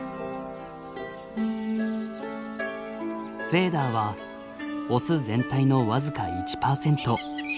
フェーダーはオス全体の僅か１％。